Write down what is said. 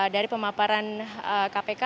dari pemaparan kpk